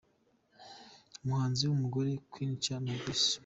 Umuhanzi w’ umugore : Queen Cha na Grace .